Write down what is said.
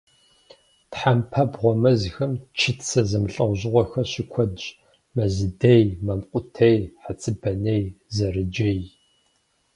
Тхьэмпабгъуэ мэзхэм чыцэ зэмылӀэужьыгъуэхэр щыкуэдщ: мэзыдей, мамкъутей, хъэцыбаней, зэрыджей.